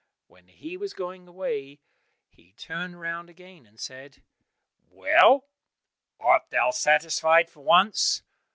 When he was going away, he turned round again and said, "Well, art thou satisfied for once?"